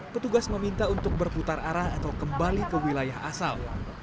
petugas meminta untuk berputar arah atau kembali ke wilayah asal